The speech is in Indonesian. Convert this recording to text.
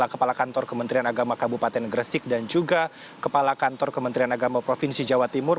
kepala kantor kementerian agama kabupaten gresik dan juga kepala kantor kementerian agama provinsi jawa timur